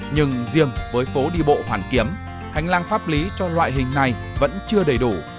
nhưng riêng với phố đi bộ hoàn kiếm hành lang pháp lý cho loại hình này vẫn chưa đầy đủ